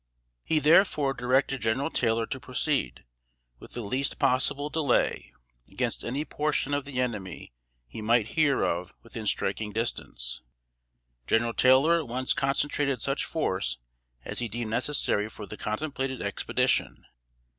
He, therefore, directed General Taylor to proceed, with the least possible delay, against any portion of the enemy he might hear of within striking distance. General Taylor at once concentrated such force as he deemed necessary for the contemplated expedition.